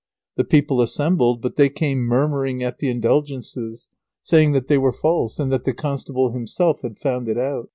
The people assembled, but they came murmuring at the Indulgences, saying that they were false, and that the constable himself had found it out.